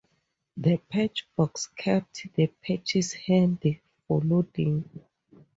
The patch box kept the patches handy for loading.